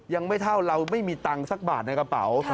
ยังไม่เท่าเราไม่มีตังค์สักบาทในกระเป๋า